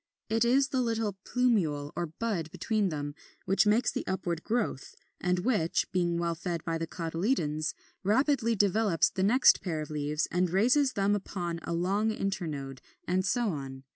It is the little plumule or bud between them which makes the upward growth, and which, being well fed by the cotyledons, rapidly develops the next pair of leaves and raises them upon a long internode, and so on.